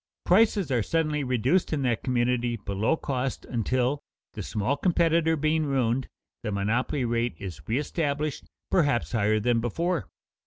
Prices are suddenly reduced in that community below cost until, the small competitor being ruined, the monopoly rate is reëstablished perhaps higher than before.